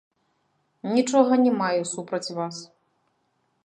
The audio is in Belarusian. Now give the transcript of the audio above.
Нічога не маю супраць вас.